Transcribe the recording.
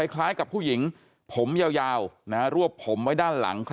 คล้ายกับผู้หญิงผมยาวรวบผมไว้ด้านหลัง